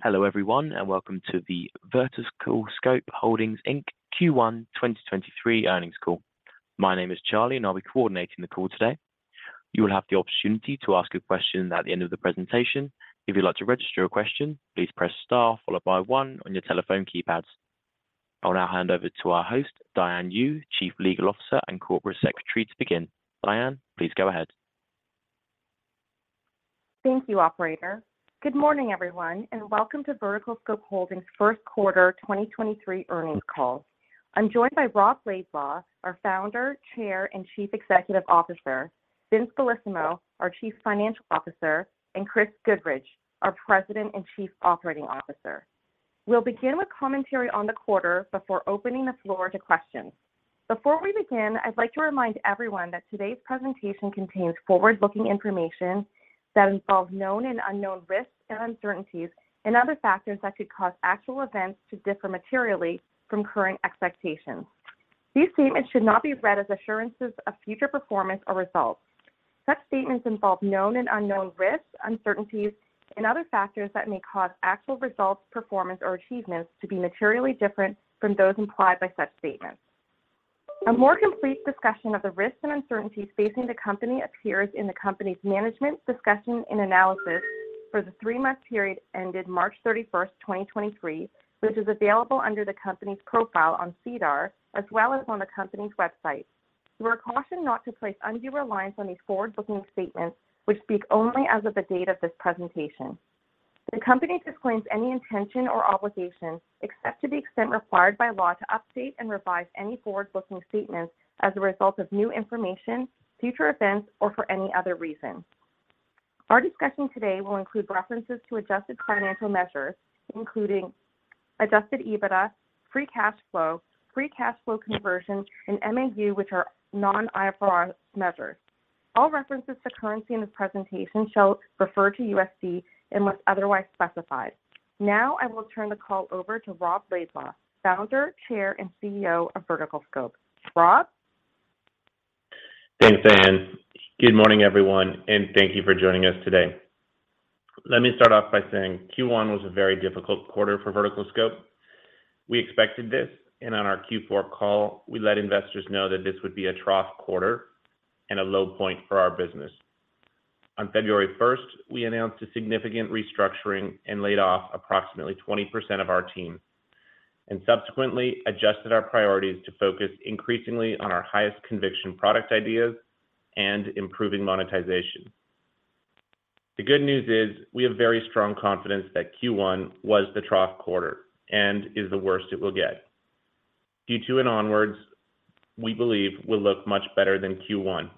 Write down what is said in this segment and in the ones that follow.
Hello everyone, welcome to the VerticalScope Holdings Inc. Q1 2023 earnings call. My name is Charlie, I'll be coordinating the call today. You will have the opportunity to ask a question at the end of the presentation. If you'd like to register your question, please press star followed by one on your telephone keypads. I will now hand over to our host, Diane Yu, Chief Legal Officer and Corporate Secretary, to begin. Diane, please go ahead. Thank you, operator. Good morning, everyone, and welcome to VerticalScope Holdings' first quarter 2023 earnings call. I'm joined by Rob Laidlaw, our Founder, Chair, and Chief Executive Officer, Vincenzo Bellissimo, our Chief Financial Officer, and Chris Goodridge, our President and Chief Operating Officer. We'll begin with commentary on the quarter before opening the floor to questions. Before we begin, I'd like to remind everyone that today's presentation contains forward-looking information that involves known and unknown risks and uncertainties and other factors that could cause actual events to differ materially from current expectations. These statements should not be read as assurances of future performance or results. Such statements involve known and unknown risks, uncertainties, and other factors that may cause actual results, performance, or achievements to be materially different from those implied by such statements. A more complete discussion of the risks and uncertainties facing the company appears in the company's management discussion and analysis for the three month period ended March 31, 2023, which is available under the company's profile on SEDAR, as well as on the company's website. You are cautioned not to place undue reliance on these forward-looking statements, which speak only as of the date of this presentation. The company disclaims any intention or obligation, except to the extent required by law, to update and revise any forward-looking statements as a result of new information, future events, or for any other reason. Our discussion today will include references to adjusted financial measures, including adjusted EBITDA, free cash flow, free cash flow conversion, and MAU, which are non-IFRS measures. All references to currency in this presentation shall refer to U.S.D unless otherwise specified. Now, I will turn the call over to Rob Laidlaw, Founder, Chair, and CEO of VerticalScope. Rob. Thanks, Diane. Good morning, everyone, and thank you for joining us today. Let me start off by saying Q1 was a very difficult quarter for VerticalScope. We expected this, and on our Q4 call, we let investors know that this would be a trough quarter and a low point for our business. On February 1st, we announced a significant restructuring and laid off approximately 20% of our team and subsequently adjusted our priorities to focus increasingly on our highest conviction product ideas and improving monetization. The good news is we have very strong confidence that Q1 was the trough quarter and is the worst it will get. Q2 and onwards, we believe, will look much better than Q1.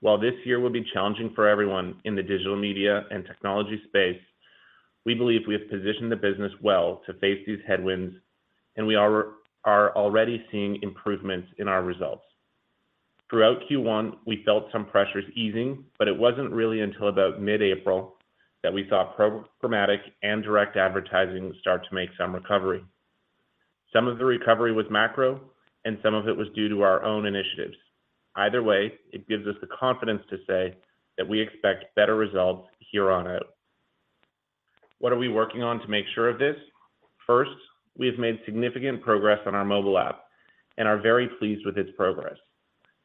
While this year will be challenging for everyone in the digital media and technology space, we believe we have positioned the business well to face these headwinds, and we are already seeing improvements in our results. Throughout Q1, we felt some pressures easing, but it wasn't really until about mid-April that we saw programmatic and direct advertising start to make some recovery. Some of the recovery was macro, and some of it was due to our own initiatives. Either way, it gives us the confidence to say that we expect better results here on out. What are we working on to make sure of this? First, we have made significant progress on our mobile app and are very pleased with its progress.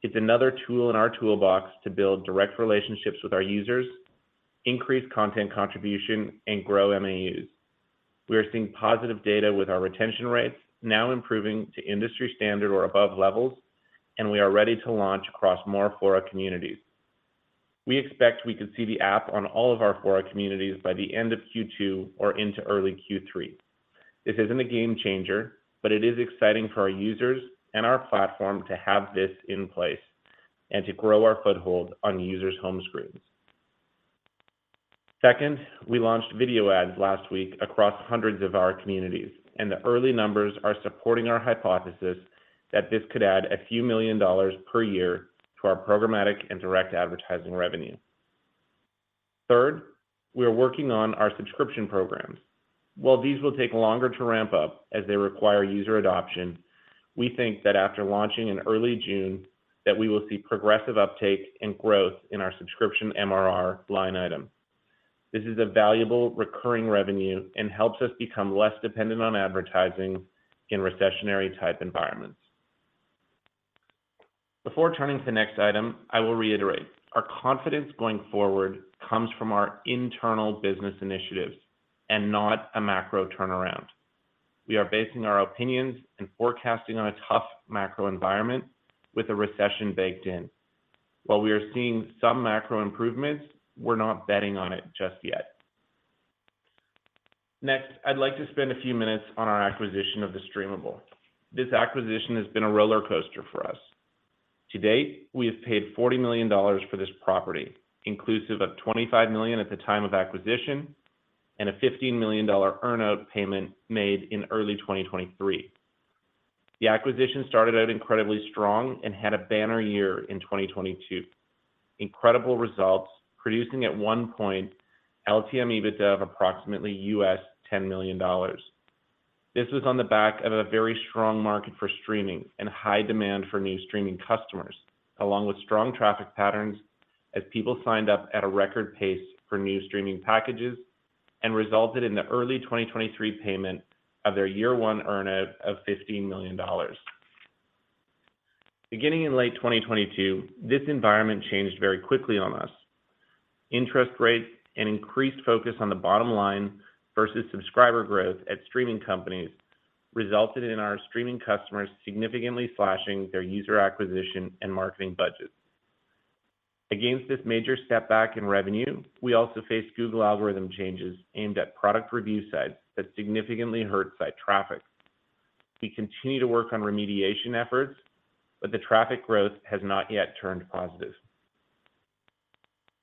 It's another tool in our toolbox to build direct relationships with our users, increase content contribution, and grow MAUs. We are seeing positive data with our retention rates now improving to industry standard or above levels, and we are ready to launch across more of Fora communities. We expect we could see the app on all of our Fora communities by the end of Q2 or into early Q3. This isn't a game changer, but it is exciting for our users and our platform to have this in place and to grow our foothold on users' home screens. Second, we launched video ads last week across hundreds of our communities, and the early numbers are supporting our hypothesis that this could add a few million dollars per year to our programmatic and direct advertising revenue. Third, we are working on our subscription programs. While these will take longer to ramp up as they require user adoption, we think that after launching in early June that we will see progressive uptake and growth in our subscription MRR line item. This is a valuable recurring revenue and helps us become less dependent on advertising in recessionary type environments. Before turning to the next item, I will reiterate, our confidence going forward comes from our internal business initiatives and not a macro turnaround. We are basing our opinions and forecasting on a tough macro environment with a recession baked in. While we are seeing some macro improvements, we're not betting on it just yet. Next, I'd like to spend a few minutes on our acquisition of The Streamable. This acquisition has been a roller coaster for us. To date, we have paid $40 million for this property, inclusive of $25 million at the time of acquisition and a $15 million earn-out payment made in early 2023. The acquisition started out incredibly strong and had a banner year in 2022. Incredible results producing at one point LTM EBITDA of approximately U.S. $10 million. This was on the back of a very strong market for streaming and high demand for new streaming customers, along with strong traffic patterns as people signed up at a record pace for new streaming packages and resulted in the early 2023 payment of their year one earn-out of $15 million. Beginning in late 2022, this environment changed very quickly on us. Interest rates and increased focus on the bottom line versus subscriber growth at streaming companies resulted in our streaming customers significantly slashing their user acquisition and marketing budgets. Against this major step back in revenue, we also faced Google algorithm changes aimed at product review sites that significantly hurt site traffic. We continue to work on remediation efforts, but the traffic growth has not yet turned positive.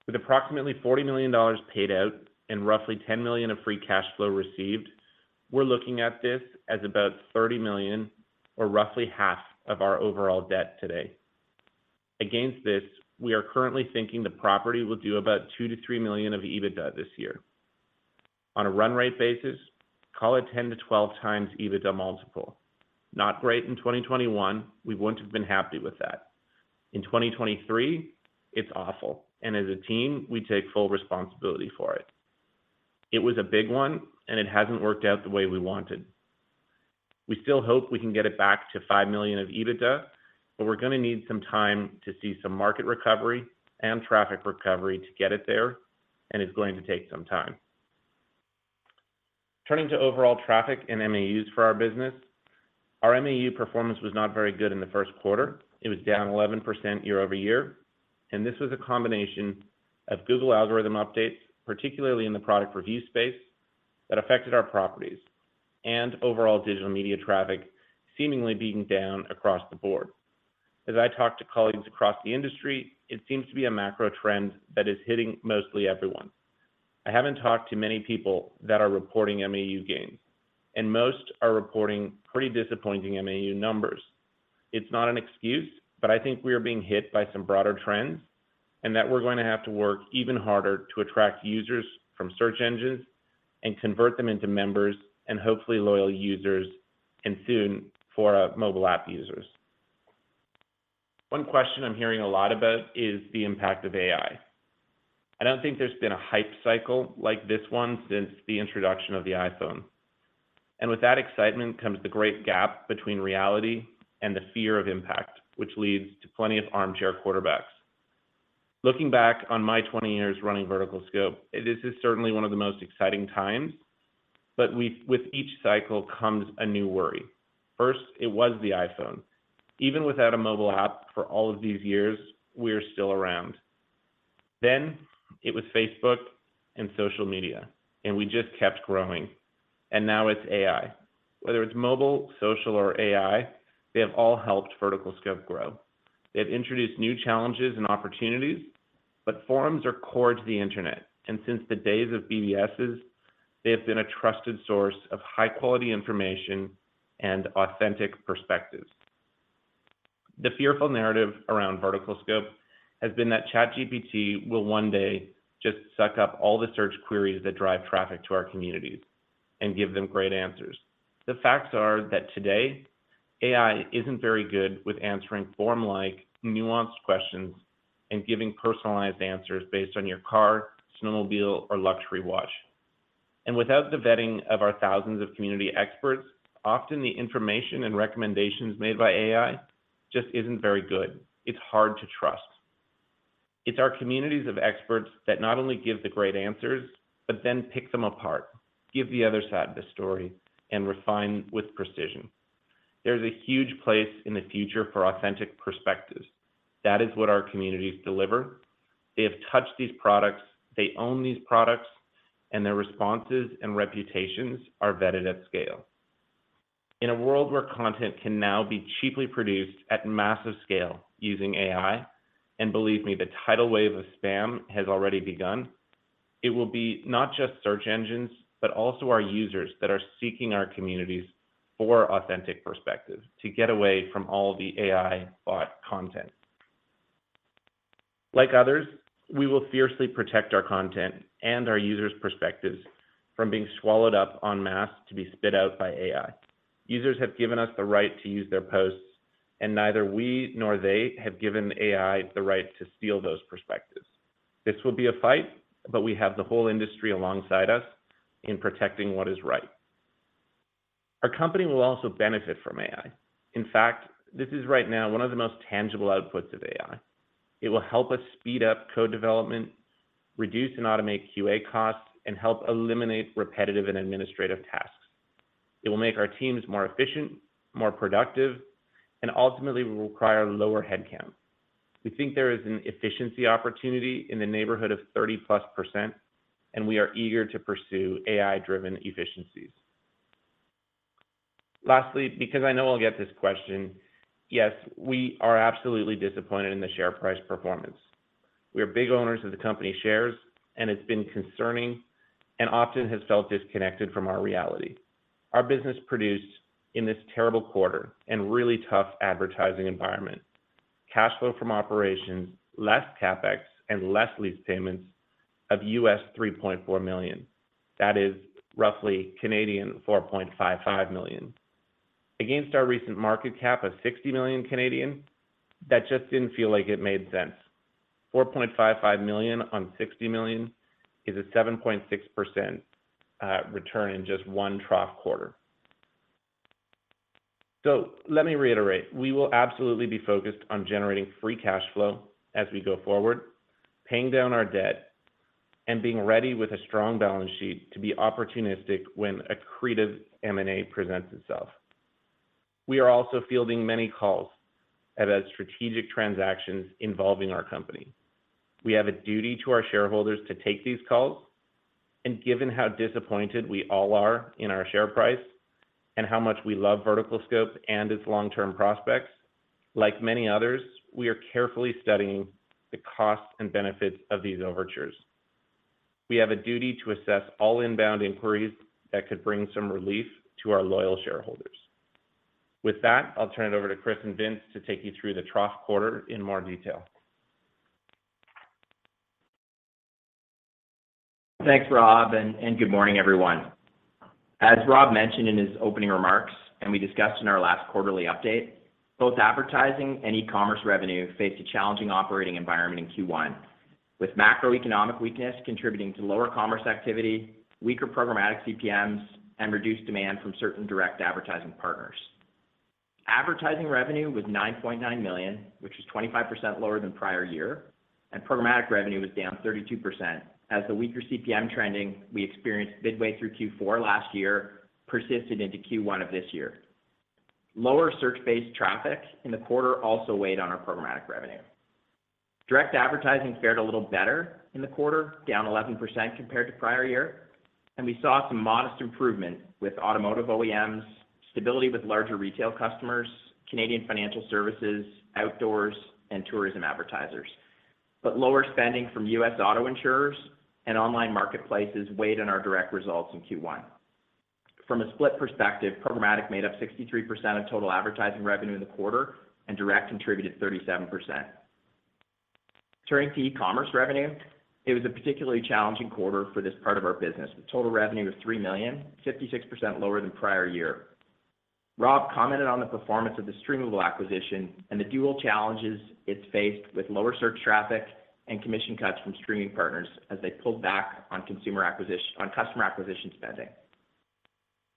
With approximately $40 million paid out and roughly $10 million of free cash flow received, we're looking at this as about $30 million or roughly half of our overall debt today. Against this, we are currently thinking the property will do about $2 million-$3 million of EBITDA this year. On a run rate basis, call it 10-12x EBITDA multiple. Not great in 2021, we wouldn't have been happy with that. In 2023, it's awful. As a team, we take full responsibility for it. It was a big one. It hasn't worked out the way we wanted. We still hope we can get it back to $5 million of EBITDA, but we're gonna need some time to see some market recovery and traffic recovery to get it there. It's going to take some time. Turning to overall traffic and MAUs for our business, our MAU performance was not very good in the first quarter. It was down 11% year-over-year. This was a combination of Google algorithm updates, particularly in the product review space, that affected our properties and overall digital media traffic seemingly being down across the board. As I talk to colleagues across the industry, it seems to be a macro trend that is hitting mostly everyone. I haven't talked to many people that are reporting MAU gains, and most are reporting pretty disappointing MAU numbers. It's not an excuse, but I think we are being hit by some broader trends and that we're going to have to work even harder to attract users from search engines and convert them into members and hopefully loyal users, and soon, for mobile app users. One question I'm hearing a lot about is the impact of AI. I don't think there's been a hype cycle like this one since the introduction of the iPhone. With that excitement comes the great gap between reality and the fear of impact, which leads to plenty of armchair quarterbacks. Looking back on my 20 years running VerticalScope, this is certainly one of the most exciting times. With each cycle comes a new worry. First, it was the iPhone. Even without a mobile app for all of these years, we are still around. It was Facebook and social media, and we just kept growing. Now it's AI. Whether it's mobile, social, or AI, they have all helped VerticalScope grow. They've introduced new challenges and opportunities, but forums are core to the internet, since the days of BBSs, they have been a trusted source of high-quality information and authentic perspectives. The fearful narrative around VerticalScope has been that ChatGPT will one day just suck up all the search queries that drive traffic to our communities and give them great answers. The facts are that today, AI isn't very good with answering forum-like nuanced questions and giving personalized answers based on your car, snowmobile, or luxury watch. Without the vetting of our thousands of community experts, often the information and recommendations made by AI just isn't very good. It's hard to trust. It's our communities of experts that not only give the great answers, but then pick them apart, give the other side of the story, and refine with precision. There's a huge place in the future for authentic perspectives. That is what our communities deliver. They have touched these products, they own these products, and their responses and reputations are vetted at scale. In a world where content can now be cheaply produced at massive scale using AI, and believe me, the tidal wave of spam has already begun, it will be not just search engines, but also our users that are seeking our communities for authentic perspectives to get away from all the AI bot content. Like others, we will fiercely protect our content and our users' perspectives from being swallowed up en masse to be spit out by AI. Users have given us the right to use their posts, and neither we nor they have given AI the right to steal those perspectives. This will be a fight, but we have the whole industry alongside us in protecting what is right. Our company will also benefit from AI. In fact, this is right now one of the most tangible outputs of AI. It will help us speed up code development, reduce and automate QA costs, and help eliminate repetitive and administrative tasks. It will make our teams more efficient, more productive, and ultimately require lower head count. We think there is an efficiency opportunity in the neighborhood of 30+%, and we are eager to pursue AI-driven efficiencies. Lastly, because I know I'll get this question, yes, we are absolutely disappointed in the share price performance. We are big owners of the company shares, and it's been concerning and often has felt disconnected from our reality. Our business produced in this terrible quarter and really tough advertising environment. Cash flow from operations, less CapEx and less lease payments of $3.4 million. That is roughly 4.55 million. Against our recent market cap of 60 million, that just didn't feel like it made sense. 4.55 million on 60 million is a 7.6% return in just one trough quarter. Let me reiterate. We will absolutely be focused on generating free cash flow as we go forward, paying down our debt, and being ready with a strong balance sheet to be opportunistic when accretive M&A presents itself. We are also fielding many calls about strategic transactions involving our company. We have a duty to our shareholders to take these calls, and given how disappointed we all are in our share price and how much we love VerticalScope and its long-term prospects, like many others, we are carefully studying the costs and benefits of these overtures. We have a duty to assess all inbound inquiries that could bring some relief to our loyal shareholders. With that, I'll turn it over to Chris and Vince to take you through the trough quarter in more detail. Thanks, Rob, and good morning, everyone. As Rob mentioned in his opening remarks and we discussed in our last quarterly update, both advertising and e-commerce revenue faced a challenging operating environment in Q1, with macroeconomic weakness contributing to lower commerce activity, weaker programmatic CPMs, and reduced demand from certain direct advertising partners. Advertising revenue was $9.9 million, which is 25% lower than prior year, and programmatic revenue was down 32%, as the weaker CPM trending we experienced midway through Q4 last year persisted into Q1 of this year. Lower search-based traffic in the quarter also weighed on our programmatic revenue. Direct advertising fared a little better in the quarter, down 11% compared to prior year, and we saw some modest improvement with automotive OEMs, stability with larger retail customers, Canadian financial services, outdoors, and tourism advertisers. Lower spending from U.S. auto insurers and online marketplaces weighed on our direct results in Q1. From a split perspective, programmatic made up 63% of total advertising revenue in the quarter and direct contributed 37%. Turning to e-commerce revenue, it was a particularly challenging quarter for this part of our business. The total revenue was $3 million, 56% lower than prior year. Rob commented on the performance of The Streamable acquisition and the dual challenges it's faced with lower search traffic and commission cuts from streaming partners as they pulled back on customer acquisition spending.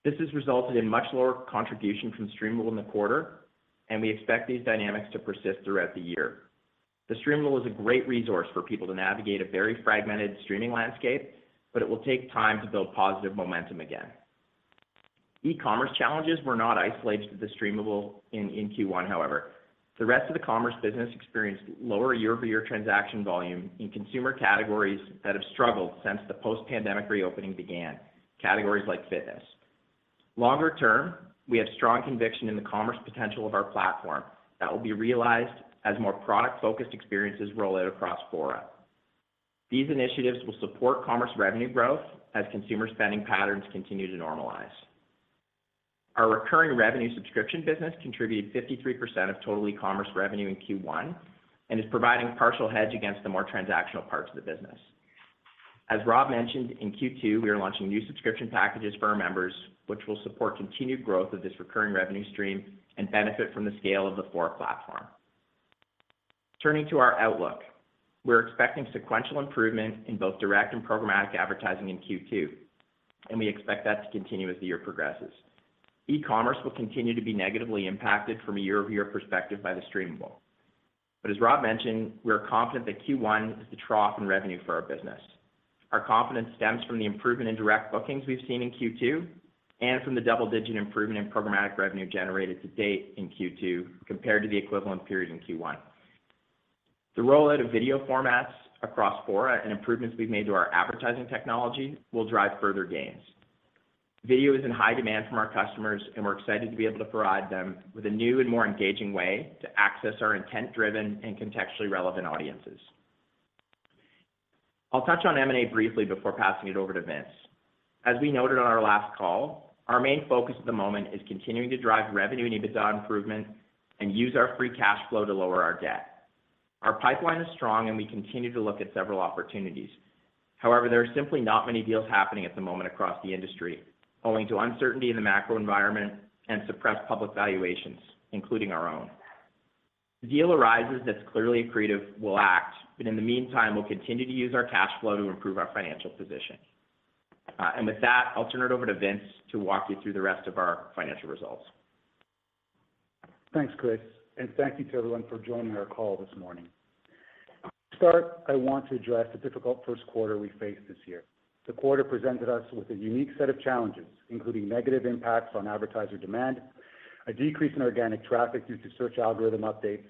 This has resulted in much lower contribution from The Streamable in the quarter, and we expect these dynamics to persist throughout the year. The Streamable is a great resource for people to navigate a very fragmented streaming landscape, but it will take time to build positive momentum again. E-commerce challenges were not isolated to The Streamable in Q1 however. The rest of the commerce business experienced lower year-over-year transaction volume in consumer categories that have struggled since the post-pandemic reopening began, categories like fitness. Longer term, we have strong conviction in the commerce potential of our platform that will be realized as more product-focused experiences roll out across Fora. These initiatives will support commerce revenue growth as consumer spending patterns continue to normalize. Our recurring revenue subscription business contributed 53% of total e-commerce revenue in Q1 and is providing partial hedge against the more transactional parts of the business. As Rob mentioned, in Q2, we are launching new subscription packages for our members, which will support continued growth of this recurring revenue stream and benefit from the scale of the Fora platform. Turning to our outlook, we're expecting sequential improvement in both direct and programmatic advertising in Q2, and we expect that to continue as the year progresses. E-commerce will continue to be negatively impacted from a year-over-year perspective by The Streamable. As Rob mentioned, we are confident that Q1 is the trough in revenue for our business. Our confidence stems from the improvement in direct bookings we've seen in Q2 and from the double-digit improvement in programmatic revenue generated to date in Q2 compared to the equivalent period in Q1. The rollout of video formats across Fora and improvements we've made to our advertising technology will drive further gains. Video is in high demand from our customers, and we're excited to be able to provide them with a new and more engaging way to access our intent-driven and contextually relevant audiences. I'll touch on M&A briefly before passing it over to Vince. As we noted on our last call, our main focus at the moment is continuing to drive revenue and EBITDA improvement and use our free cash flow to lower our debt. Our pipeline is strong, and we continue to look at several opportunities. There are simply not many deals happening at the moment across the industry, owing to uncertainty in the macro environment and suppressed public valuations, including our own. If a deal arises that's clearly accretive, we'll act, but in the meantime, we'll continue to use our cash flow to improve our financial position. With that, I'll turn it over to Vince to walk you through the rest of our financial results. Thanks, Chris. Thank you to everyone for joining our call this morning. To start, I want to address the difficult first quarter we faced this year. The quarter presented us with a unique set of challenges, including negative impacts on advertiser demand, a decrease in organic traffic due to search algorithm updates,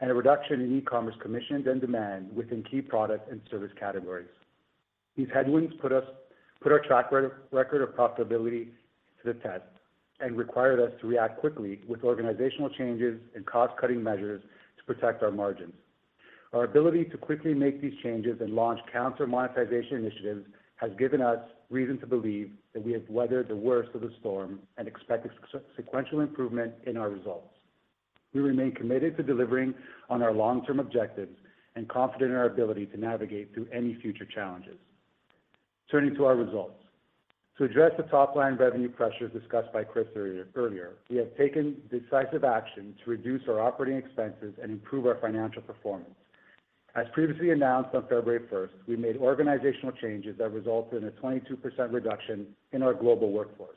and a reduction in e-commerce commissions and demand within key products and service categories. These headwinds put our track record of profitability to the test and required us to react quickly with organizational changes and cost-cutting measures to protect our margins. Our ability to quickly make these changes and launch counter monetization initiatives has given us reason to believe that we have weathered the worst of the storm and expect a sequential improvement in our results. We remain committed to delivering on our long-term objectives and confident in our ability to navigate through any future challenges. Turning to our results. To address the top line revenue pressures discussed by Chris earlier, we have taken decisive action to reduce our operating expenses and improve our financial performance. As previously announced on February first, we made organizational changes that resulted in a 22% reduction in our global workforce.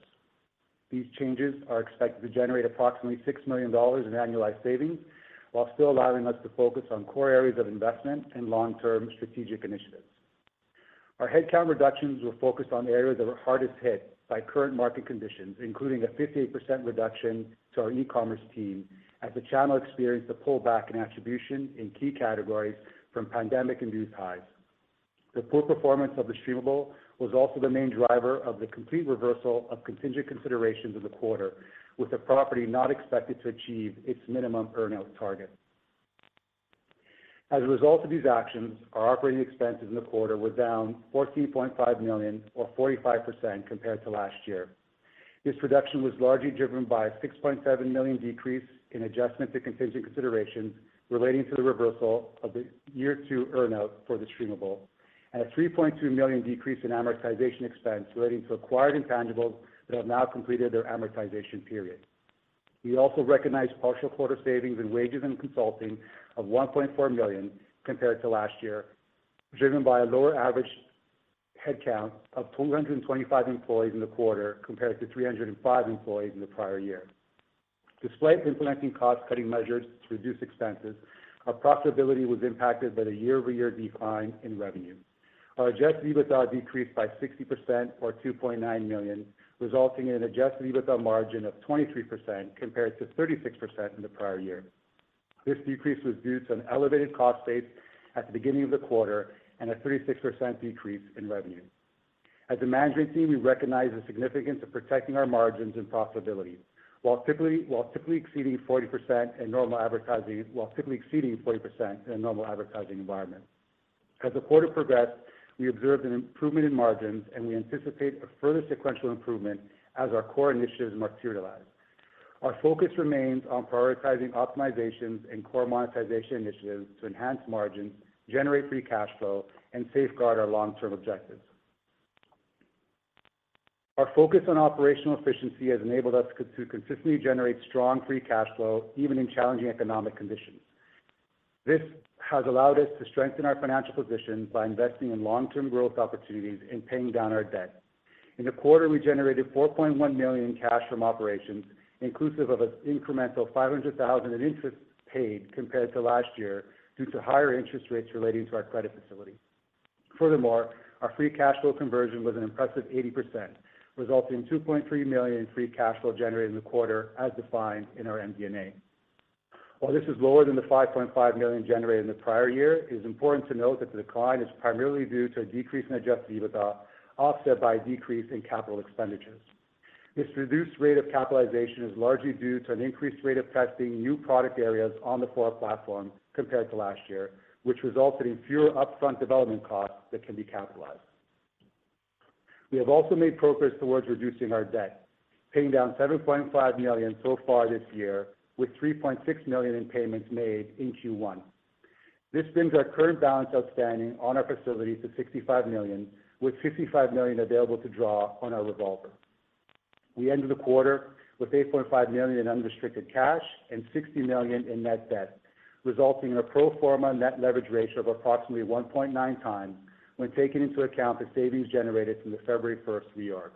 These changes are expected to generate approximately $6 million in annualized savings while still allowing us to focus on core areas of investment and long-term strategic initiatives. Our headcount reductions were focused on areas that were hardest hit by current market conditions, including a 58% reduction to our e-commerce team as the channel experienced a pullback in attribution in key categories from pandemic-induced highs. The poor performance of The Streamable was also the main driver of the complete reversal of contingent consideration in the quarter, with the property not expected to achieve its minimum earn-out target. As a result of these actions, our operating expenses in the quarter were down $14.5 million or 45% compared to last year. This reduction was largely driven by a $6.7 million decrease in adjustment to contingent consideration relating to the reversal of the year two earn-out for The Streamable and a $3.2 million decrease in amortization expense relating to acquired intangibles that have now completed their amortization period. We also recognized partial quarter savings in wages and consulting of $1.4 million compared to last year, driven by a lower average headcount of 225 employees in the quarter compared to 305 employees in the prior year. Despite implementing cost-cutting measures to reduce expenses, our profitability was impacted by the year-over-year decline in revenue. Our adjusted EBITDA decreased by 60% or $2.9 million, resulting in an adjusted EBITDA margin of 23% compared to 36% in the prior year. This decrease was due to an elevated cost base at the beginning of the quarter and a 36% decrease in revenue. As a management team, we recognize the significance of protecting our margins and profitability while typically exceeding 40% in a normal advertising environment. As the quarter progressed, we observed an improvement in margins, and we anticipate a further sequential improvement as our core initiatives materialize. Our focus remains on prioritizing optimizations and core monetization initiatives to enhance margins, generate free cash flow, and safeguard our long-term objectives. Our focus on operational efficiency has enabled us to consistently generate strong free cash flow even in challenging economic conditions. This has allowed us to strengthen our financial position by investing in long-term growth opportunities and paying down our debt. In the quarter, we generated $4.1 million in cash from operations, inclusive of an incremental $500,000 in interest paid compared to last year due to higher interest rates relating to our credit facility. Furthermore, our free cash flow conversion was an impressive 80%, resulting in $2.3 million free cash flow generated in the quarter as defined in our MD&A. While this is lower than the $5.5 million generated in the prior year, it is important to note that the decline is primarily due to a decrease in adjusted EBITDA, offset by a decrease in capital expenditures. This reduced rate of capitalization is largely due to an increased rate of testing new product areas on the core platform compared to last year, which resulted in fewer upfront development costs that can be capitalized. We have also made progress towards reducing our debt, paying down $7.5 million so far this year, with $3.6 million in payments made in Q1. This brings our current balance outstanding on our facility to $65 million, with $55 million available to draw on our revolver. We ended the quarter with $8.5 million in unrestricted cash and $60 million in net debt, resulting in a pro forma net leverage ratio of approximately 1.9 times when taking into account the savings generated from the February 1st reorg.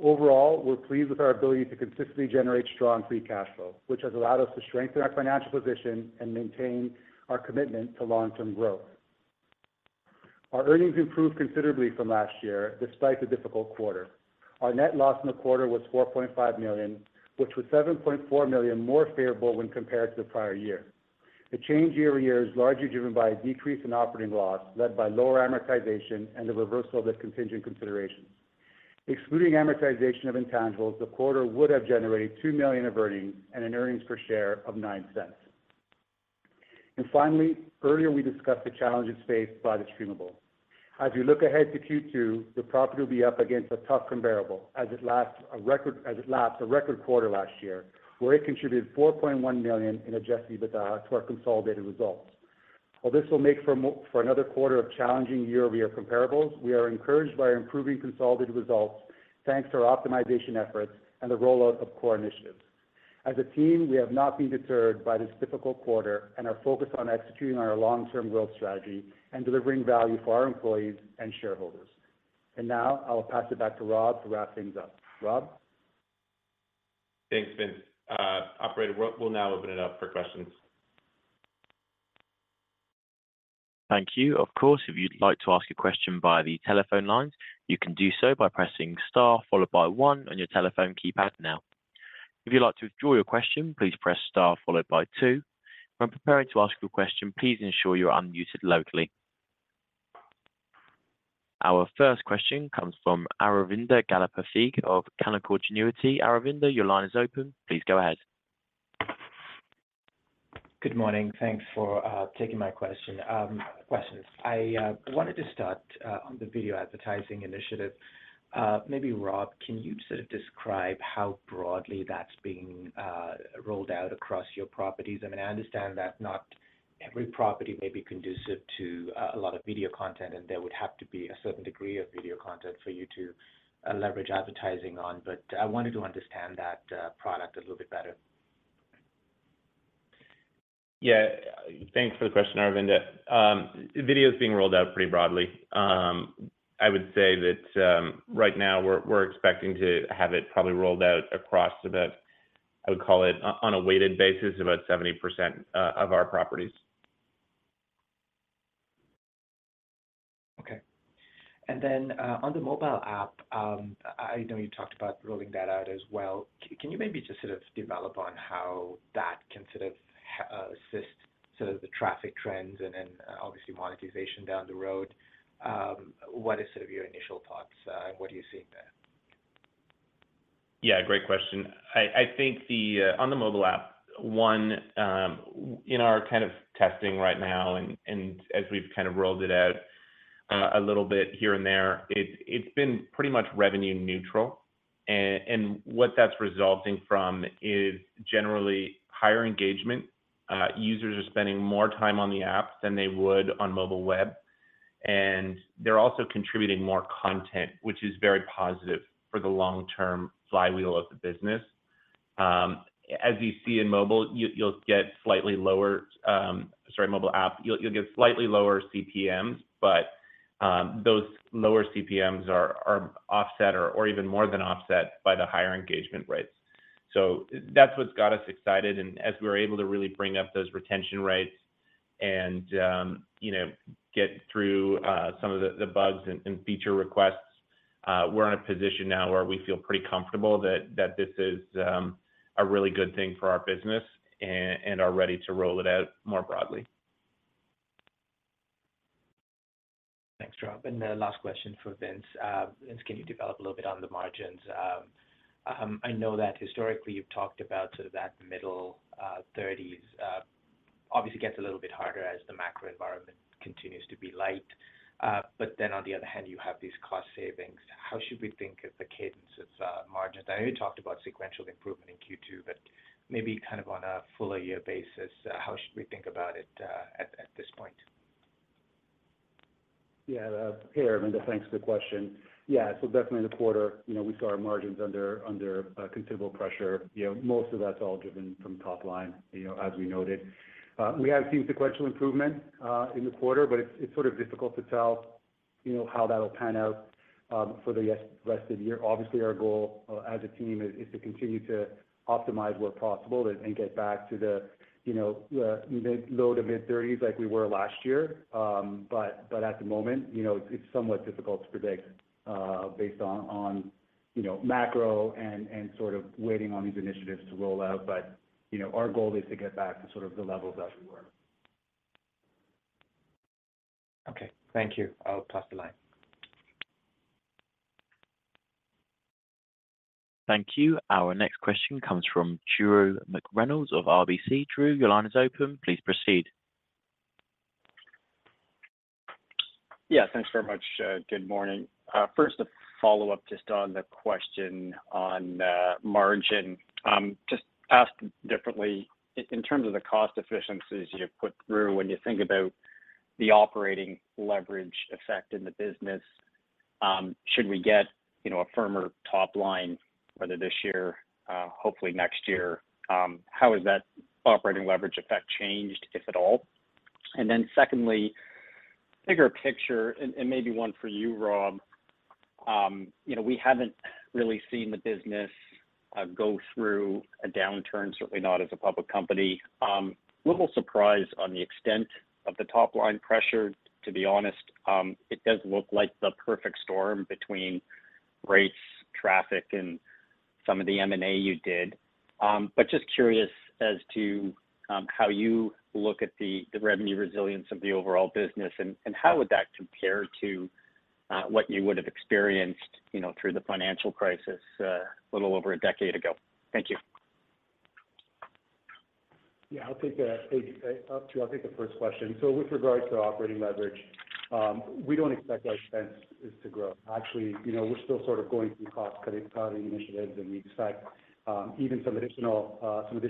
Overall, we're pleased with our ability to consistently generate strong free cash flow, which has allowed us to strengthen our financial position and maintain our commitment to long-term growth. Our earnings improved considerably from last year despite the difficult quarter. Our net loss in the quarter was $4.5 million, which was $7.4 million more favorable when compared to the prior year. The change year-over-year is largely driven by a decrease in operating loss led by lower amortization and the reversal of the contingent consideration. Excluding amortization of intangibles, the quarter would have generated $2 million of earnings and an earnings per share of $0.09. Finally, earlier we discussed the challenges faced by The Streamable. As we look ahead to Q2, the property will be up against a tough comparable as it last a record quarter last year, where it contributed $4.1 million in adjusted EBITDA to our consolidated results. While this will make for another quarter of challenging year-over-year comparables, we are encouraged by our improving consolidated results, thanks to our optimization efforts and the rollout of core initiatives. As a team, we have not been deterred by this difficult quarter and are focused on executing our long-term growth strategy and delivering value for our employees and shareholders. Now I will pass it back to Rob to wrap things up. Rob? Thanks, Vince. Operator, we'll now open it up for questions. Thank you. Of course, if you'd like to ask a question via the telephone lines, you can do so by pressing star followed by one on your telephone keypad now. If you'd like to withdraw your question, please press star followed by two. When preparing to ask your question, please ensure you're unmuted locally. Our first question comes from Aravinda Galappatthige of Canaccord Genuity. Aravinda, your line is open. Please go ahead. Good morning. Thanks for taking my questions. I wanted to start on the video advertising initiative. Maybe Rob, can you sort of describe how broadly that's being rolled out across your properties? I mean, I understand that not every property may be conducive to a lot of video content, and there would have to be a certain degree of video content for you to leverage advertising on. I wanted to understand that product a little bit better. Thanks for the question, Aravinda. Video's being rolled out pretty broadly. I would say that, right now we're expecting to have it probably rolled out across about, I would call it, on a weighted basis, about 70% of our properties. Okay. On the mobile app, I know you talked about rolling that out as well. Can you maybe just sort of develop on how that can sort of assist sort of the traffic trends and then, obviously monetization down the road? What is sort of your initial thoughts, and what are you seeing there? Yeah, great question. I think the on the mobile app, one, in our kind of testing right now and as we've kind of rolled it out a little bit here and there, it's been pretty much revenue neutral. What that's resulting from is generally higher engagement. Users are spending more time on the app than they would on mobile web, and they're also contributing more content, which is very positive for the long-term flywheel of the business. As you see in mobile, you'll get slightly lower... Sorry, mobile app. You'll get slightly lower CPMs, but those lower CPMs are offset or even more than offset by the higher engagement rates. That's what's got us excited. as we're able to really bring up those retention rates and, you know, get through, some of the bugs and feature requests, we're in a position now where we feel pretty comfortable that this is a really good thing for our business and are ready to roll it out more broadly. Thanks, Rob. The last question for Vince. Vince, can you develop a little bit on the margins? I know that historically you've talked about sort of that middle, thirties. Obviously gets a little bit harder as the macro environment continues to be light. On the other hand, you have these cost savings. How should we think of the cadence of margins? I know you talked about sequential improvement in Q2, but maybe kind of on a full year basis, how should we think about it at this point? Yeah. Hey, Aravinda. Thanks for the question. Definitely the quarter, you know, we saw our margins under considerable pressure. You know, most of that's all driven from top line, you know, as we noted. We have seen sequential improvement in the quarter, but it's sort of difficult to tell, you know, how that'll pan out for the rest of the year. Obviously, our goal as a team is to continue to optimize where possible and get back to the, you know, low to mid 30s like we were last year. At the moment, you know, it's somewhat difficult to predict based on, you know, macro and sort of waiting on these initiatives to roll out. You know, our goal is to get back to sort of the levels that we were. Okay. Thank you. I'll pass the line. Thank you. Our next question comes from Drew McReynolds of RBC. Drew, your line is open. Please proceed. Yeah, thanks very much. Good morning. First, a follow-up just on the question on margin. Just asked differently, in terms of the cost efficiencies you put through, when you think about the operating leverage effect in the business, should we get, you know, a firmer top line whether this year, hopefully next year? How has that operating leverage effect changed, if at all? Secondly, bigger picture and maybe one for you, Rob. You know, we haven't really seen the business go through a downturn, certainly not as a public company. Little surprised on the extent of the top-line pressure, to be honest. It does look like the perfect storm between rates, traffic and some of the M&A you did. Just curious as to, how you look at the revenue resilience of the overall business and how would that compare to what you would have experienced, you know, through the financial crisis, a little over a decade ago? Thank you. Yeah. I'll take the first question. With regards to operating leverage, we don't expect our expenses to grow. Actually, you know, we're still sort of going through cost cutting initiatives, and we expect even some additional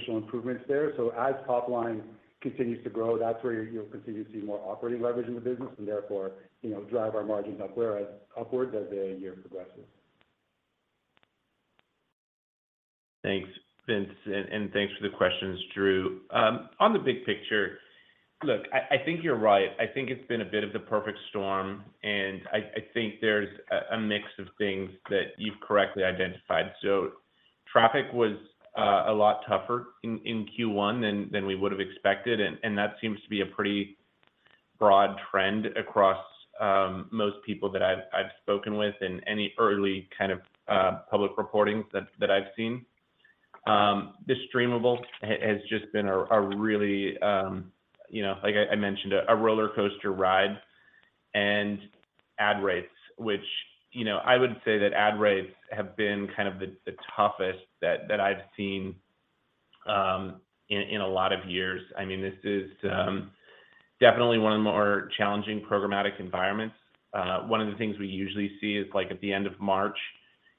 improvements there. As top line continues to grow, that's where you'll continue to see more operating leverage in the business and therefore, you know, drive our margins upwards as the year progresses. Thanks, Vince, and thanks for the questions, Drew McReynolds. On the big picture, look, I think you're right. I think it's been a bit of the perfect storm, and I think there's a mix of things that you've correctly identified. Traffic was a lot tougher in Q1 than we would have expected, and that seems to be a pretty broad trend across most people that I've spoken with in any early kind of public reportings that I've seen. The Streamable has just been a really, you know, like I mentioned, a rollercoaster ride. Ad rates, which, you know, I would say that ad rates have been kind of the toughest that I've seen in a lot of years. I mean, this is definitely one of the more challenging programmatic environments. One of the things we usually see is, like, at the end of March,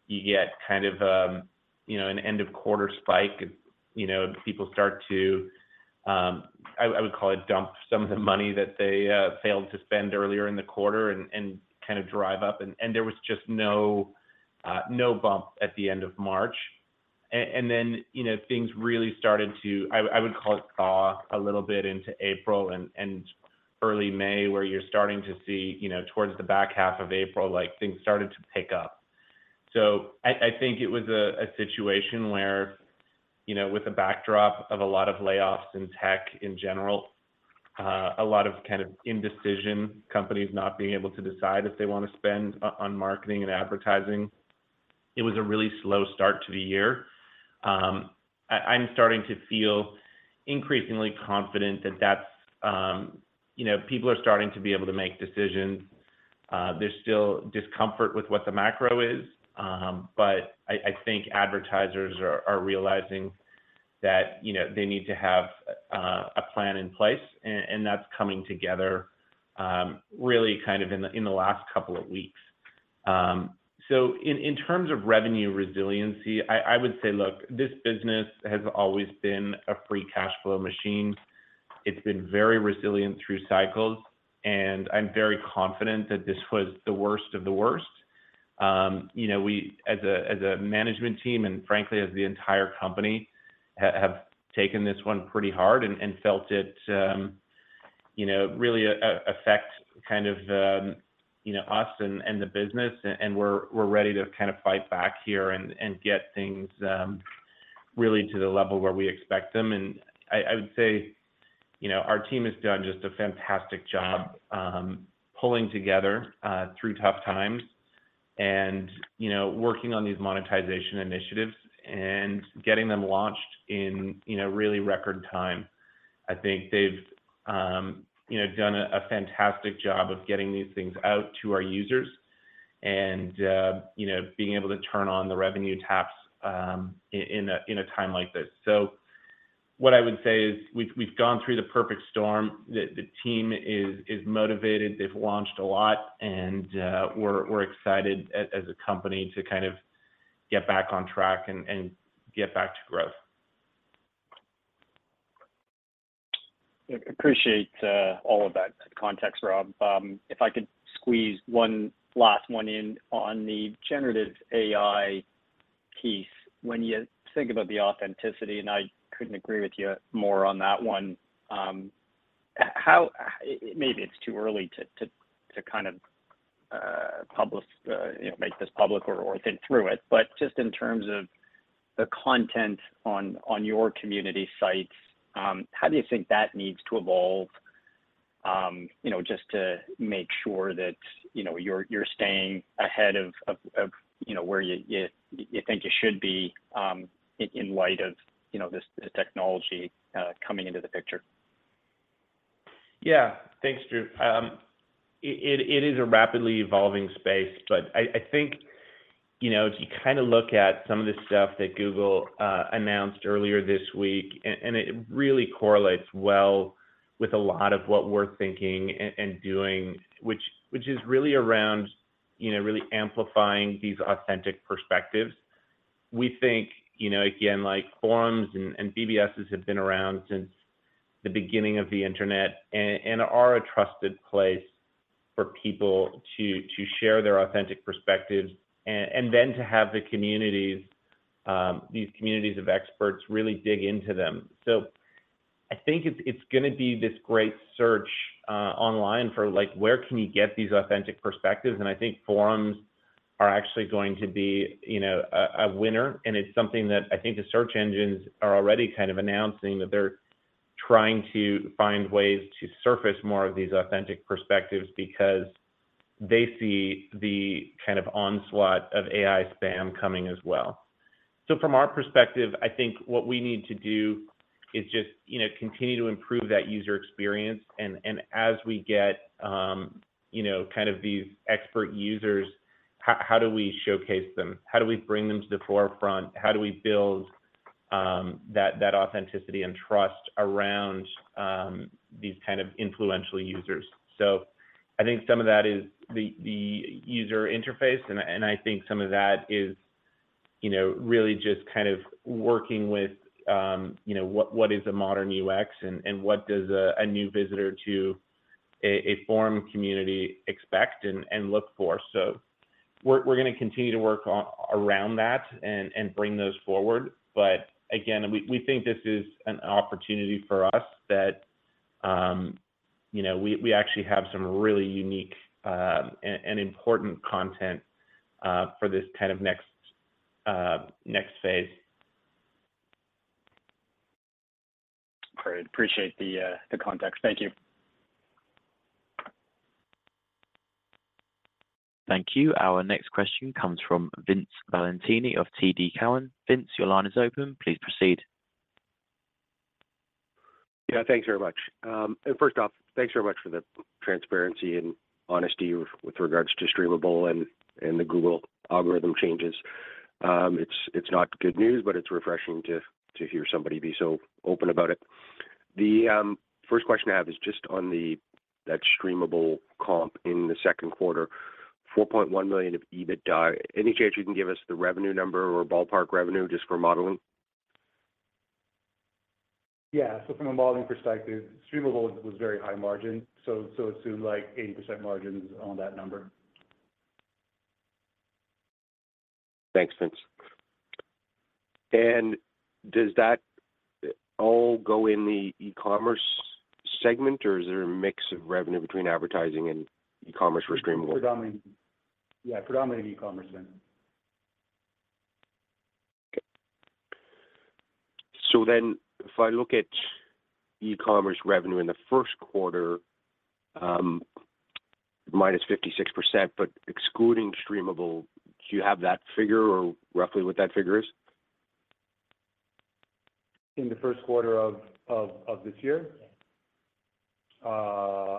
you get kind of, you know, an end-of-quarter spike. You know, people start to, I would call it dump some of the money that they failed to spend earlier in the quarter and kind of drive up. There was just no bump at the end of March. Then, you know, things really started to I would call it thaw a little bit into April and early May, where you're starting to see, you know, towards the back half of April, like, things started to pick up. I think it was a situation where, you know, with the backdrop of a lot of layoffs in tech in general, a lot of kind of indecision, companies not being able to decide if they wanna spend on marketing and advertising, it was a really slow start to the year. I'm starting to feel increasingly confident that that's. You know, people are starting to be able to make decisions. There's still discomfort with what the macro is, but I think advertisers are realizing that, you know, they need to have a plan in place, and that's coming together, really kind of in the last couple of weeks. In terms of revenue resiliency, I would say, look, this business has always been a free cash flow machine. It's been very resilient through cycles, and I'm very confident that this was the worst of the worst. You know, we as a management team, and frankly as the entire company, have taken this one pretty hard and felt it, you know, really affect kind of the, you know, us and the business. We're ready to kind of fight back here and get things really to the level where we expect them. I would say, you know, our team has done just a fantastic job, pulling together through tough times and, you know, working on these monetization initiatives and getting them launched in, you know, really record time. I think they've, you know, done a fantastic job of getting these things out to our users and, you know, being able to turn on the revenue taps in a time like this. What I would say is we've gone through the perfect storm. The team is motivated. They've launched a lot, and we're excited as a company to kind of get back on track and get back to growth. Appreciate all of that context, Rob. If I could squeeze one last one in on the generative AI piece. When you think about the authenticity, and I couldn't agree with you more on that one, Maybe it's too early to kind of publish, you know, make this public or think through it. But just in terms of the content on your community sites, how do you think that needs to evolve, you know, just to make sure that, you know, you're staying ahead of, you know, where you think you should be, in light of, you know, this technology coming into the picture? Yeah. Thanks, Drew. It is a rapidly evolving space, but I think, you know, if you kinda look at some of the stuff that Google announced earlier this week, and it really correlates well with a lot of what we're thinking and doing, which is really around, you know, really amplifying these authentic perspectives. We think, you know, again, like, forums and BBSs have been around since the beginning of the internet and are a trusted place for people to share their authentic perspectives and then to have the communities, these communities of experts really dig into them. I think it's gonna be this great search online for, like, where can you get these authentic perspectives? I think forums are actually going to be, you know, a winner, and it's something that I think the search engines are already kind of announcing that they're trying to find ways to surface more of these authentic perspectives because they see the kind of onslaught of AI spam coming as well. From our perspective, I think what we need to do is just, you know, continue to improve that user experience and as we get, you know, kind of these expert users, how do we showcase them? How do we bring them to the forefront? How do we build that authenticity and trust around these kind of influential users? I think some of that is the user interface, and I think some of that is, you know, really just kind of working with, you know, what is a modern UX and what does a new visitor to a forum community expect and look for? We're gonna continue to work around that and bring those forward. Again, we think this is an opportunity for us that, you know, we actually have some really unique and important content for this kind of next phase. Great. Appreciate the context. Thank you. Thank you. Our next question comes from Vince Valentini of TD Cowen. Vince, your line is open. Please proceed. Yeah, thanks very much. First off, thanks very much for the transparency and honesty with regards to Streamable and the Google algorithm changes. It's not good news, but it's refreshing to hear somebody be so open about it. The first question I have is just on that Streamable comp in the second quarter, $4.1 million of EBITDA. Any chance you can give us the revenue number or ballpark revenue just for modeling? Yeah. From a modeling perspective, Streamable was very high margin. It's to, like, 80% margins on that number. Thanks, Vince. Does that all go in the e-commerce segment, or is there a mix of revenue between advertising and e-commerce for Streamable? Predominant. Yeah, predominant e-commerce revenue. Okay. If I look at e-commerce revenue in the first quarter, minus 56%, but excluding The Streamable, do you have that figure or roughly what that figure is? In the first quarter of this year?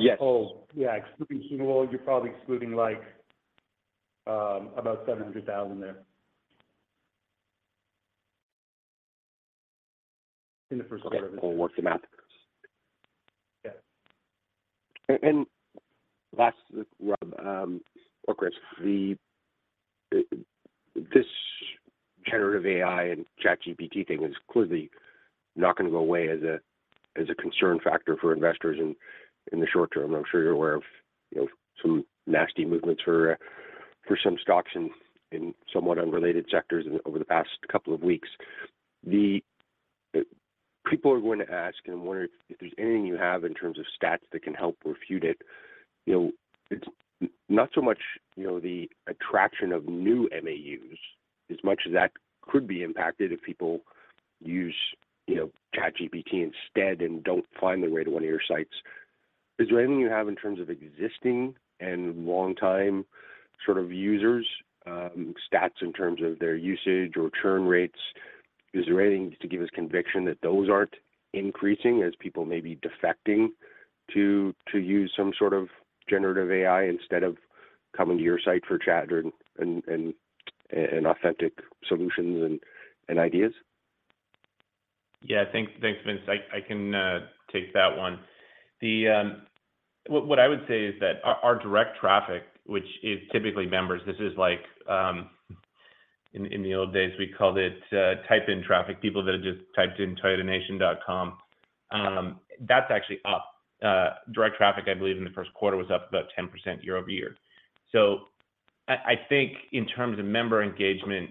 Yes. Oh, yeah. Excluding Streamable, you're probably excluding, like, about $700,000 there. In the first quarter. We'll work the math. Yeah. Last, Rob, or Chris, this generative AI and ChatGPT thing is clearly not gonna go away as a concern factor for investors in the short term. I'm sure you're aware of, you know, some nasty movements for some stocks in somewhat unrelated sectors over the past couple of weeks. People are going to ask, and I'm wondering if there's anything you have in terms of stats that can help refute it. You know, it's not so much, you know, the attraction of new MAUs as much as that could be impacted if people use, you know, ChatGPT instead and don't find their way to one of your sites. Is there anything you have in terms of existing and long time sort of users, stats in terms of their usage or churn rates? Is there anything to give us conviction that those aren't increasing as people may be defecting to use some sort of generative AI instead of coming to your site for chat and authentic solutions and ideas? Thanks, Vince. I can take that one. What I would say is that our direct traffic, which is typically members, this is like in the old days, we called it type-in traffic, people that had just typed in ToyotaNation.com, that's actually up. Direct traffic, I believe in the first quarter was up about 10% year-over-year. I think in terms of member engagement,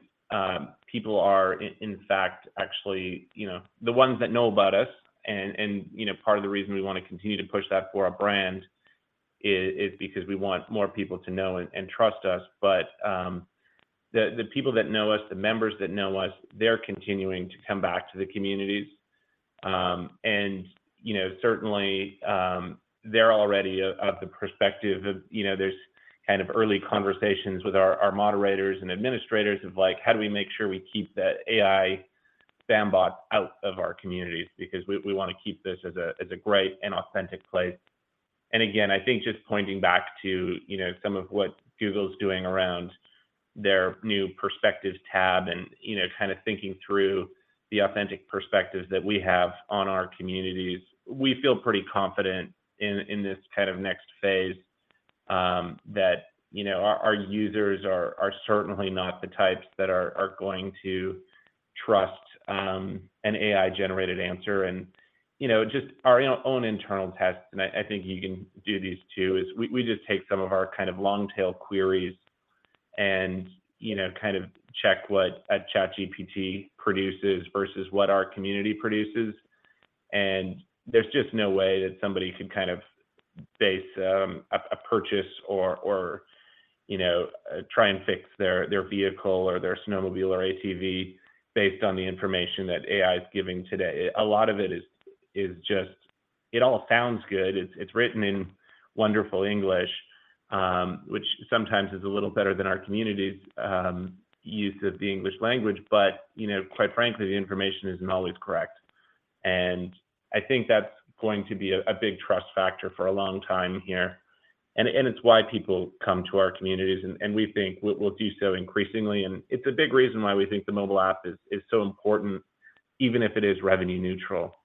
people are in fact, actually, you know, the ones that know about us and, you know, part of the reason we wanna continue to push that for our brand is because we want more people to know and trust us. The people that know us, the members that know us, they're continuing to come back to the communities. You know, certainly, they're already of the perspective of, you know, there's kind of early conversations with our moderators and administrators of, like, how do we make sure we keep the AI spam bot out of our communities because we wanna keep this as a great and authentic place. Again, I think just pointing back to, you know, some of what Google's doing around their new perspective tab and, you know, kind of thinking through the authentic perspectives that we have on our communities, we feel pretty confident in this kind of next phase, that, you know, our users are certainly not the types that are going to trust an AI-generated answer. You know, just our own internal tests, and I think you can do these too, is we just take some of our kind of long tail queries and, you know, kind of check what a ChatGPT produces versus what our community produces. There's just no way that somebody could kind of base a purchase or, you know, try and fix their vehicle or their snowmobile or ATV based on the information that AI is giving today. A lot of it is just. It all sounds good. It's written in wonderful English, which sometimes is a little better than our community's use of the English language. You know, quite frankly, the information isn't always correct. I think that's going to be a big trust factor for a long time here, and it's why people come to our communities, and we think we'll do so increasingly. It's a big reason why we think the mobile app is so important, even if it is revenue neutral,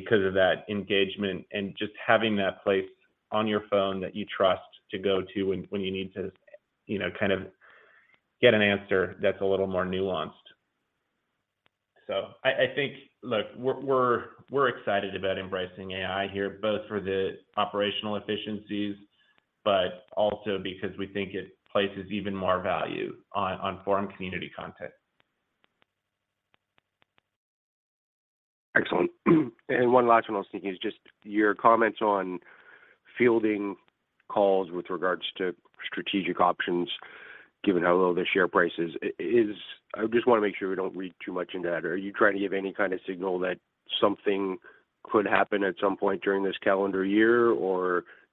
because of that engagement and just having that place on your phone that you trust to go to when you need to, you know, kind of get an answer that's a little more nuanced. I think, look, we're excited about embracing AI here, both for the operational efficiencies, but also because we think it places even more value on forum community content. Excellent. One last one I was thinking is just your comments on fielding calls with regards to strategic options Given how low the share price is, I just want to make sure we don't read too much into that. Are you trying to give any kind of signal that something could happen at some point during this calendar year?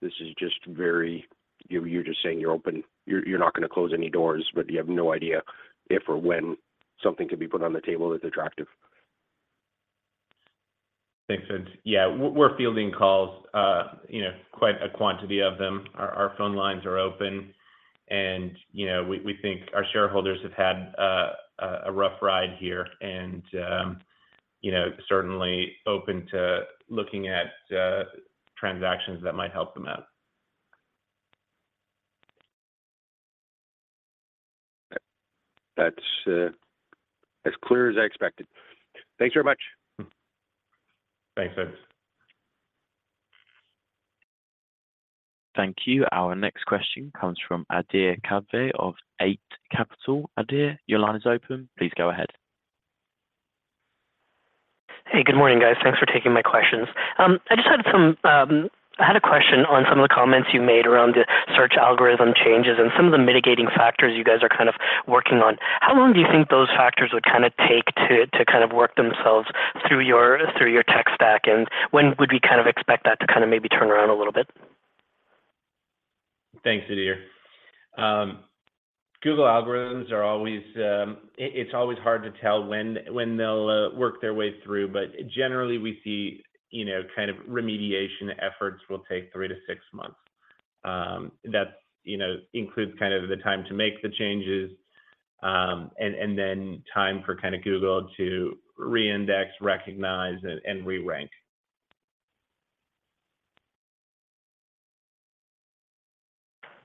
This is just you're just saying you're open, you're not gonna close any doors, but you have no idea if or when something could be put on the table that's attractive. Thanks, Vince. Yeah. We're fielding calls, you know, quite a quantity of them. Our phone lines are open and, you know, we think our shareholders have had a rough ride here and, you know, certainly open to looking at transactions that might help them out. That's as clear as I expected. Thanks very much. Thanks, Vince. Thank you. Our next question comes from [Adir Kave] of Eight Capital. Adir, your line is open. Please go ahead. Hey, good morning, guys. Thanks for taking my questions. I just had a question on some of the comments you made around the search algorithm changes and some of the mitigating factors you guys are kind of working on. How long do you think those factors would kinda take to kind of work themselves through your, through your tech stack? And when would we kind of expect that to kinda maybe turn around a little bit? Thanks, Adir. Google algorithms are always, it's always hard to tell when they'll work their way through, but generally we see, you know, kind of remediation efforts will take three to six months. That, you know, includes kind of the time to make the changes, and then time for kinda Google to re-index, recognize and re-rank.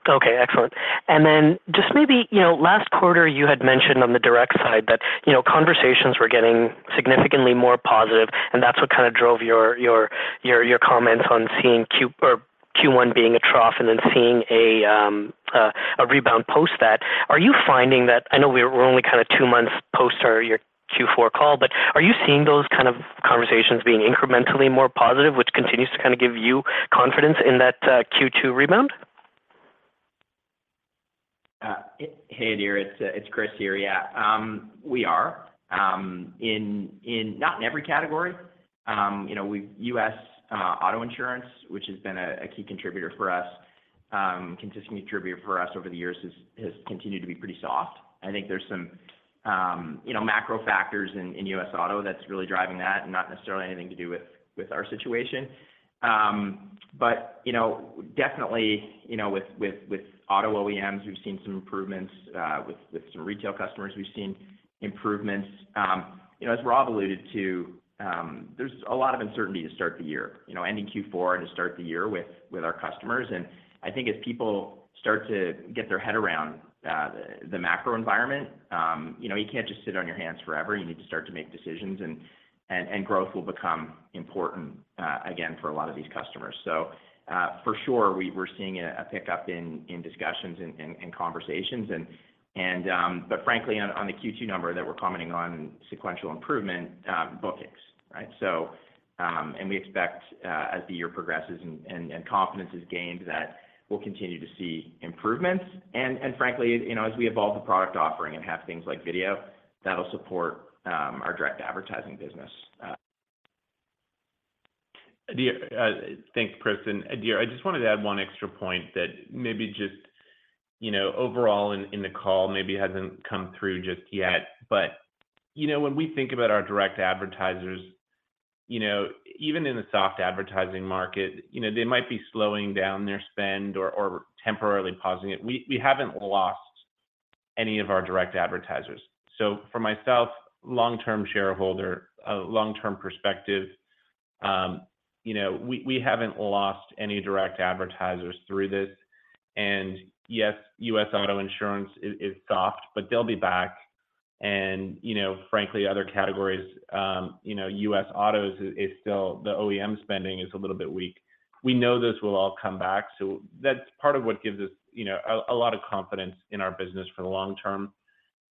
Okay, excellent. Just maybe, you know, last quarter you had mentioned on the direct side that, you know, conversations were getting significantly more positive, and that's what kind of drove your comments on seeing Q1 being a trough and then seeing a rebound post that. Are you finding that... I know we're only kind of two months post our, your Q4 call, but are you seeing those kind of conversations being incrementally more positive, which continues to kind of give you confidence in that Q2 rebound? Hey Adir, it's Chris here. Yeah. We are in not in every category. You know, U.S. auto insurance, which has been a key contributor for us, consistently contributor for us over the years has continued to be pretty soft. I think there's some, you know, macro factors in U.S. auto that's really driving that and not necessarily anything to do with our situation. Definitely, you know, with auto OEMs, we've seen some improvements, with some retail customers, we've seen improvements. You know, as Rob alluded to, there's a lot of uncertainty to start the year, you know, ending Q4 and to start the year with our customers. I think as people start to get their head around the macro environment, you know, you can't just sit on your hands forever. You need to start to make decisions and growth will become important again for a lot of these customers. For sure we're seeing a pickup in discussions and conversations and frankly on the Q2 number that we're commenting on sequential improvement, bookings, right? We expect as the year progresses and confidence is gained that we'll continue to see improvements and frankly, you know, as we evolve the product offering and have things like video that'll support our direct advertising business. Adir, thanks, Chris. Adir, I just wanted to add one extra point that maybe just, you know, overall in the call maybe hasn't come through just yet. You know, when we think about our direct advertisers, you know, even in a soft advertising market, you know, they might be slowing down their spend or temporarily pausing it. We haven't lost any of our direct advertisers. For myself, long-term shareholder, long-term perspective, you know, we haven't lost any direct advertisers through this. Yes, U.S. auto insurance is soft, but they'll be back and, you know, frankly, other categories, you know, U.S. autos is still the OEM spending is a little bit weak. We know this will all come back. That's part of what gives us, you know, a lot of confidence in our business for the long term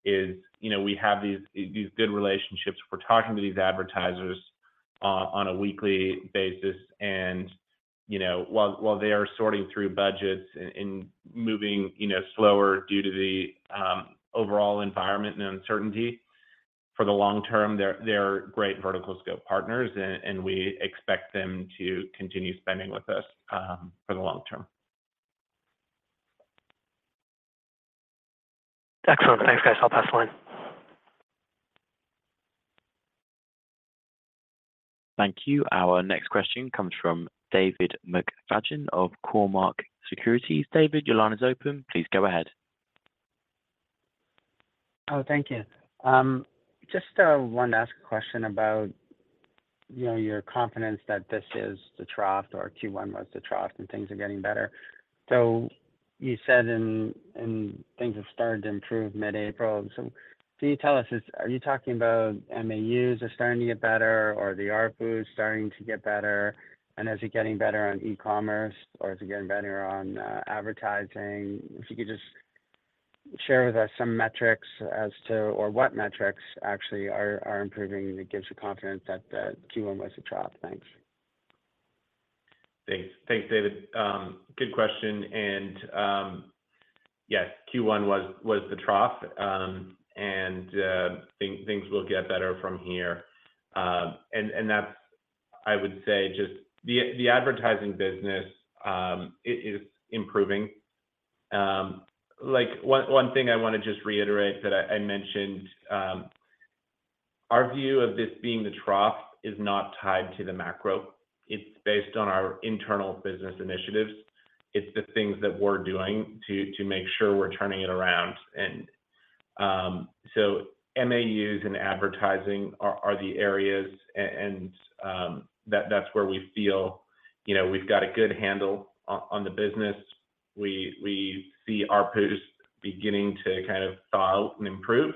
is, you know, we have these good relationships. We're talking to these advertisers on a weekly basis and, you know, while they are sorting through budgets and moving, you know, slower due to the overall environment and uncertainty, for the long term, they're great VerticalScope partners and we expect them to continue spending with us for the long term. Excellent. Thanks, guys. I'll pass the line. Thank you. Our next question comes from David McFadgen of Cormark Securities. David, your line is open. Please go ahead. Thank you. Just wanted to ask a question about, you know, your confidence that this is the trough or Q1 was the trough and things are getting better. You said and things have started to improve mid-April. Can you tell us, are you talking about MAUs are starting to get better or the ARPU is starting to get better, and as you're getting better on e-commerce or is it getting better on advertising? If you could just share with us some metrics as to or what metrics actually are improving and it gives you confidence that Q1 was a trough. Thanks. Thanks. Thanks, David. Good question. And, yes, Q1 was the trough. And things will get better from here. And that's... I would say just the advertising business, it is improving. Like one thing I wanna just reiterate that I mentioned, our view of this being the trough is not tied to the macro. It's based on our internal business initiatives. It's the things that we're doing to make sure we're turning it around. And so MAUs and advertising are the areas and that's where we feel, you know, we've got a good handle on the business. We see ARPUs beginning to kind of thaw out and improve.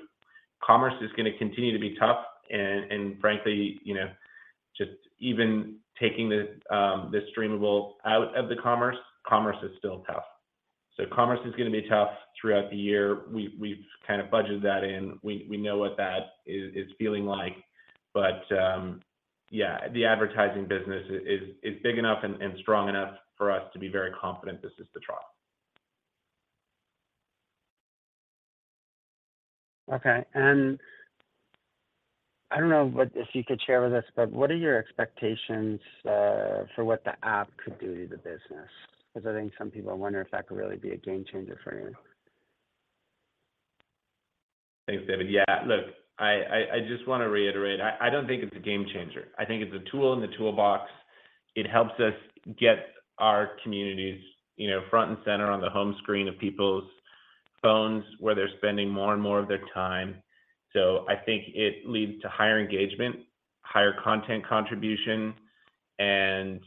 Commerce is gonna continue to be tough and frankly, you know, just even taking The Streamable out of the commerce is still tough. Commerce is gonna be tough throughout the year. We've kind of budgeted that in. We know what that is feeling like. Yeah, the advertising business is big enough and strong enough for us to be very confident this is the trough. Okay. I don't know what if you could share with us, but what are your expectations for what the app could do to the business? I think some people wonder if that could really be a game changer for you. Thanks, David. Look, I just wanna reiterate, I don't think it's a game changer. I think it's a tool in the toolbox. It helps us get our communities, you know, front and center on the home screen of people's phones, where they're spending more and more of their time. I think it leads to higher engagement, higher content contribution, and,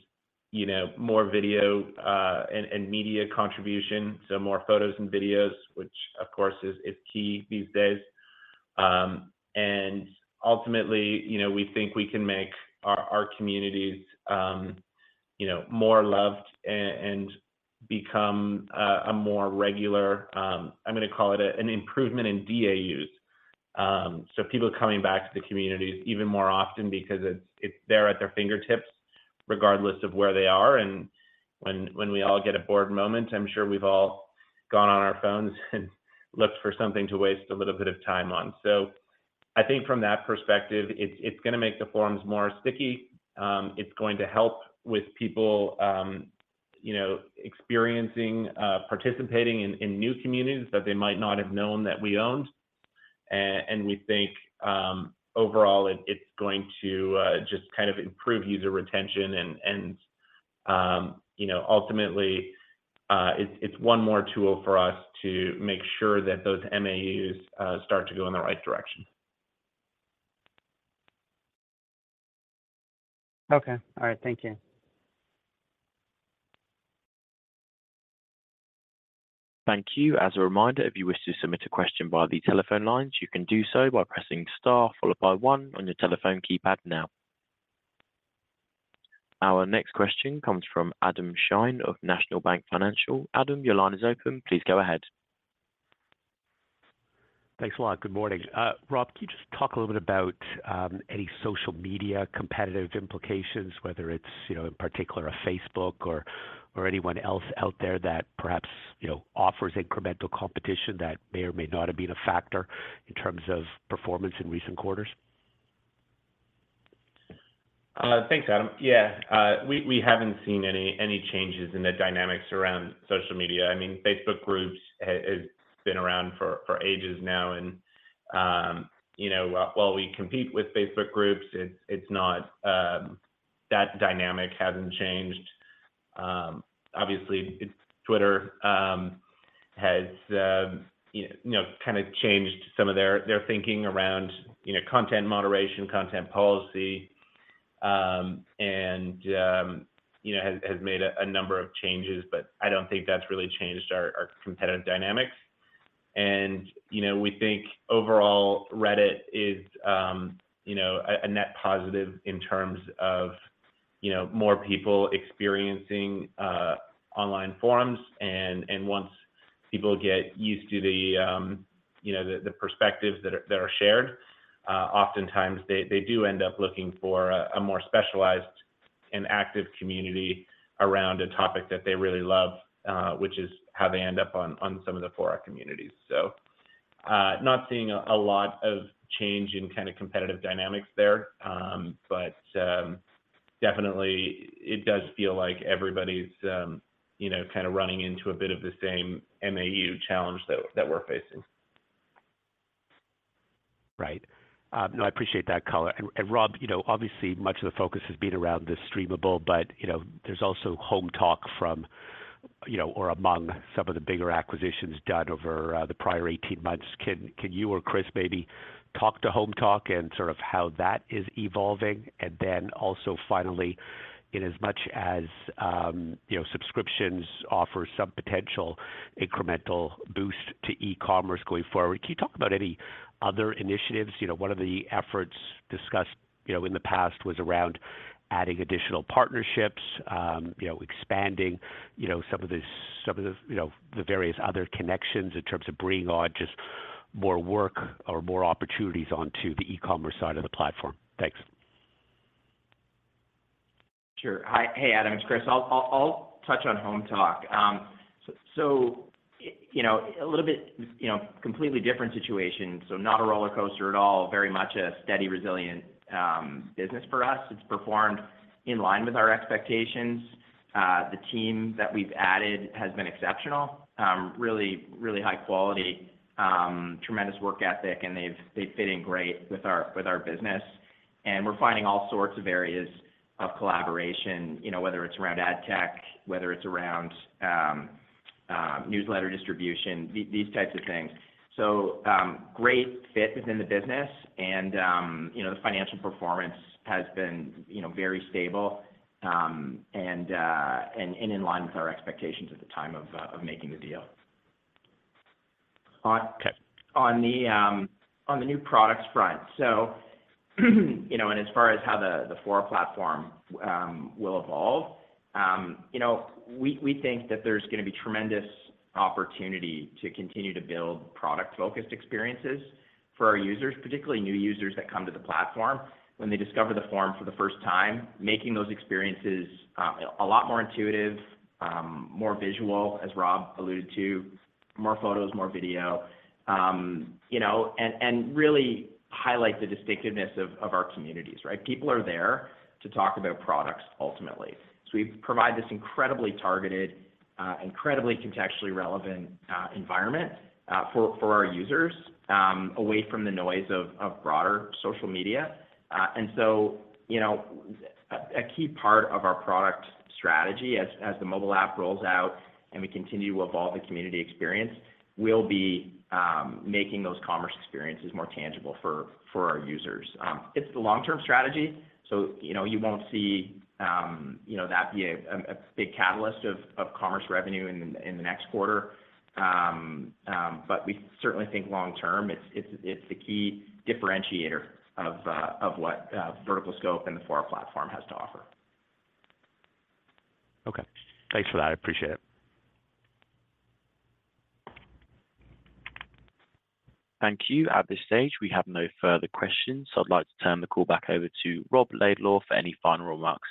you know, more video and media contribution, so more photos and videos, which of course is key these days. Ultimately, you know, we think we can make our communities, you know, more loved and become a more regular, I'm gonna call it an improvement in DAUs. People coming back to the communities even more often because it's there at their fingertips regardless of where they are. When we all get a bored moment, I'm sure we've all gone on our phones and looked for something to waste a little bit of time on. I think from that perspective, it's gonna make the forums more sticky. It's going to help with people, you know, experiencing, participating in new communities that they might not have known that we owned. We think overall it's going to just kind of improve user retention and, you know, ultimately, it's one more tool for us to make sure that those MAUs start to go in the right direction. Okay. All right. Thank you. Thank you. As a reminder, if you wish to submit a question via the telephone lines, you can do so by pressing star followed by one on your telephone keypad now. Our next question comes from Adam Shine of National Bank Financial. Adam, your line is open. Please go ahead. Thanks a lot. Good morning. Rob, can you just talk a little bit about any social media competitive implications, whether it's, you know, in particular a Facebook or anyone else out there that perhaps, you know, offers incremental competition that may or may not have been a factor in terms of performance in recent quarters? Thanks, Adam. Yeah. We haven't seen any changes in the dynamics around social media. I mean, Facebook Groups has been around for ages now and, you know, while we compete with Facebook Groups, it's not that dynamic hasn't changed. Obviously, Twitter has, you know, kind of changed some of their thinking around, you know, content moderation, content policy, and, you know, has made a number of changes, but I don't think that's really changed our competitive dynamics. You know, we think overall Reddit is, you know, a net positive in terms of, you know, more people experiencing online forums. Once people get used to the, you know, the perspectives that are shared, oftentimes they do end up looking for a more specialized and active community around a topic that they really love, which is how they end up on some of the Fora communities. Not seeing a lot of change in kind of competitive dynamics there. Definitely it does feel like everybody's, you know, kind of running into a bit of the same MAU challenge that we're facing. Right. No, I appreciate that color. Rob, you know, obviously much of the focus has been around The Streamable, but, you know, there's also Hometalk from, you know, or among some of the bigger acquisitions done over the prior 18 months. Can you or Chris maybe talk to Hometalk and sort of how that is evolving? Then also finally, in as much as, you know, subscriptions offer some potential incremental boost to e-commerce going forward, can you talk about any other initiatives? You know, one of the efforts discussed, you know, in the past was around adding additional partnerships, you know, expanding, you know, some of the, you know, the various other connections in terms of bringing on just More work or more opportunities onto the e-commerce side of the platform. Thanks. Sure. Hi. Hey, Adam, it's Chris. I'll touch on Hometalk. You know, a little bit, you know, completely different situation, not a roller coaster at all. Very much a steady, resilient business for us. It's performed in line with our expectations. The team that we've added has been exceptional. Really high quality, tremendous work ethic, and they fit in great with our business. And we're finding all sorts of areas of collaboration, you know, whether it's around ad tech, whether it's around newsletter distribution, these types of things. Great fit within the business and, you know, the financial performance has been, you know, very stable and in line with our expectations at the time of making the deal. Okay. On the new products front. You know, as far as how the Fora platform will evolve, you know, we think that there's gonna be tremendous opportunity to continue to build product-focused experiences for our users, particularly new users that come to the platform. When they discover the forum for the first time, making those experiences a lot more intuitive, more visual, as Rob alluded to, more photos, more video, you know, and really highlight the distinctiveness of our communities, right? People are there to talk about products ultimately. We provide this incredibly targeted, incredibly contextually relevant environment for our users away from the noise of broader social media. You know, a key part of our product strategy as the mobile app rolls out and we continue to evolve the community experience, will be making those commerce experiences more tangible for our users. It's the long-term strategy, so, you know, you won't see, you know, that be a big catalyst of commerce revenue in the next quarter. We certainly think long term, it's, it's the key differentiator of what VerticalScope and the Fora platform has to offer. Okay. Thanks for that. I appreciate it. Thank you. At this stage, we have no further questions. I'd like to turn the call back over to Rob Laidlaw for any final remarks.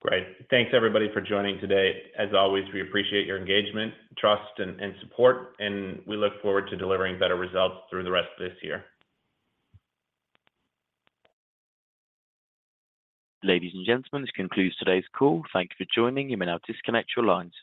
Great. Thanks, everybody, for joining today. As always, we appreciate your engagement, trust and support, and we look forward to delivering better results through the rest of this year. Ladies and gentlemen, this concludes today's call. Thank you for joining. You may now disconnect your line.